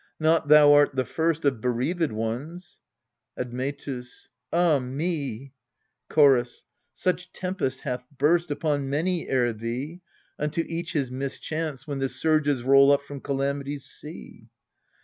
Not thou art the first Of bereaved ones. Admetus. Ah me ! Chorus. Such tempest hath burst Upon many ere thee. Unto each his mischance, when the surges roll up from Calamity's sea.